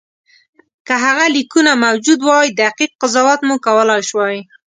که هغه لیکونه موجود وای دقیق قضاوت مو کولای شوای.